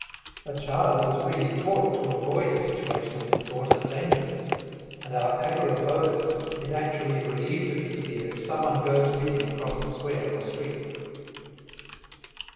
A child is really taught to avoid a situation of this sort as dangerous, and our agoraphobist is actually relieved of his fear if some one goes with him across the square or street.